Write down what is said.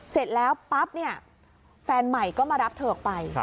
เสร็จแล้วปั๊บเนี่ยแฟนใหม่ก็มารับเธอออกไป